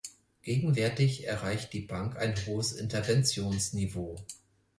Gegenwärtig erreicht die Bank ein hohes Interventionsniveau.